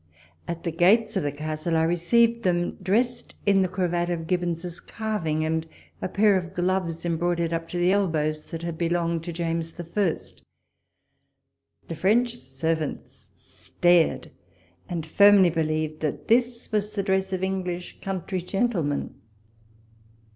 At the gates of the castle I received them, dressed in the cravat of Gibbons's carv ing, and a pair of gloves embroidered up to the elbows that had belonged to James I. The French servants stared, and firmly believed that this was the dress of English country gentlemen.